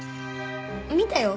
見たよ。